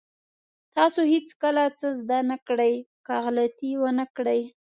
تاسو هېڅکله څه زده نه کړئ که غلطي ونه کړئ.